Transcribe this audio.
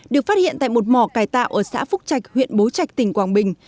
được phát hiện tại một mỏ cải tạo ở xã phúc trạch huyện bố trạch tỉnh quảng bình